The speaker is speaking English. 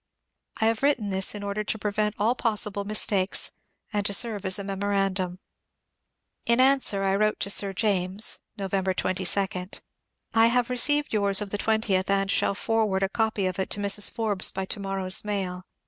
I have written this in order to prevent all possible mis takes, and to serve as a memorandum. In answer I wrote to Sir James (November 22) :— I have received yours of the 20th, and shall forward a copy of it to Mrs. Forbes by to morrow's mail.